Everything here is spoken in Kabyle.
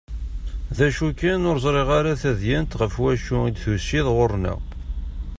D acu kan ur ẓriɣ ara tadyant ɣef wacu i d-tusiḍ ɣur-nneɣ?